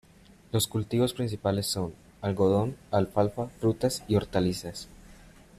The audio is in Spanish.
Los cultivos principales son: algodón, alfalfa, frutas y hortalizas.